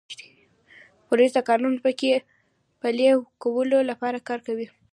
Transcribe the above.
پولیس د قانون پلي کولو لپاره کار کوي.